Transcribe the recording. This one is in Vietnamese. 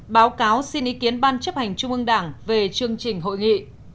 báo cáo xin ý kiến ban chấp hành trung ương đảng về chương trình hội nghị